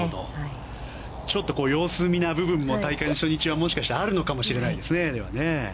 ちょっと様子見な部分も大会初日はあるのかもしれないですね。